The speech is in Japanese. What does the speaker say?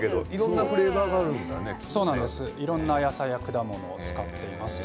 いろいろな野菜や果物を使っています。